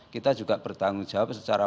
kita juga bertanggung jawab secara